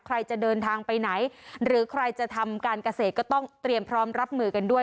ใครจะเดินทางไปไหนหรือใครจะทำการเกษตรก็ต้องเตรียมพร้อมรับมือกันด้วย